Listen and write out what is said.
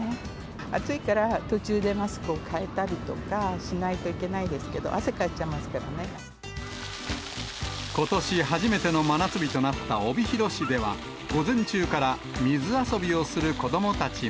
暑いから途中でマスクを替えたりとかしないといけないですけど、ことし初めての真夏日となった帯広市では、午前中から水遊びをする子どもたちも。